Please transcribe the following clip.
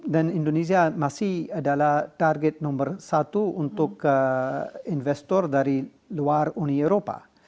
dan indonesia masih adalah target nomor satu untuk investor dari luar uni eropa